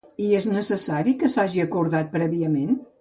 I és necessari que s'hagi acordat prèviament?